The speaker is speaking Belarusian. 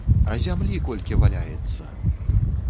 А зямлі колькі валяецца!